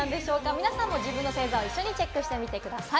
皆さんもご自分の星座を一緒にチェックしてみてください。